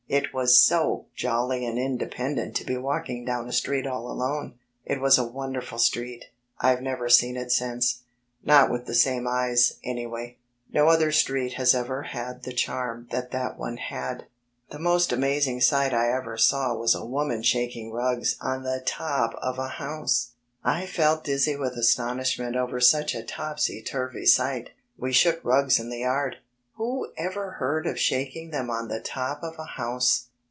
It was so jolly and independent to be walking down a street all alone. It was a wonderful street, I've never seen it since not widt the same eyes, anyway. No other street has ever had the charm dtat one had. The most amazing sight I saw was a woman shaking rugs on the top of a ^use. I felt dizzy with astonishment over such a topsy turvy sight. IP> shook rugs in the yard. Who ever heard of shaking them on the top of a house!